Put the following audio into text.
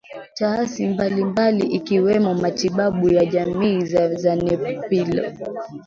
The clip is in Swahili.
Taasi mbambali ikiwemo Matibabu ya jamii na Zanempilo